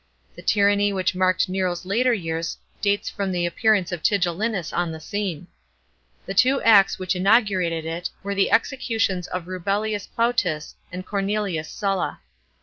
The tyranny which marked Nero's later years dates from the appearance of Tigellinus on the scene. The two acts which inaugurated it, were the executions of Rubellius Plautus and Cornelius Sulla.